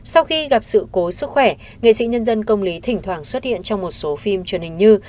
sau khi gặp sự cố sức khỏe nghệ sĩ nhân dân công lý thỉnh thoảng xuất hiện trong một số phim truyền hình như